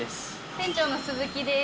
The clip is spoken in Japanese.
店長の鈴木です